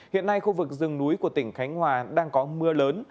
hiện nay khu vực rừng núi của tỉnh khánh hòa đang có mưa lớn